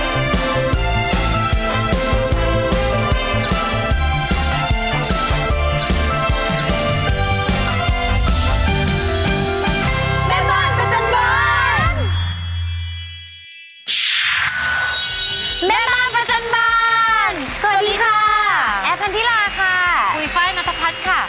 คุยไฟมันธพัดค่ะ